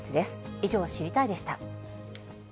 以上、知りたいッ！でした。